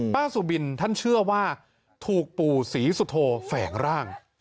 สุบินท่านเชื่อว่าถูกปู่ศรีสุโธแฝงร่าง